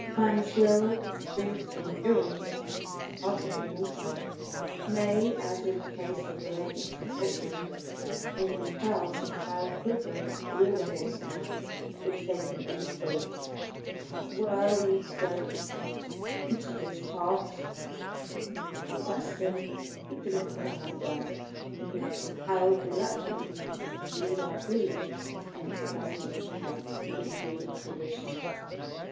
A man's will, truth, endurance are part of him also, and may, as in the case of the late Mr. Cobden, have in themselves a power equivalent to all the horse power which they can influence; but were we to go into this part of the question we should never have done, and we are compelled reluctantly to leave our dream in its present fragmentary condition.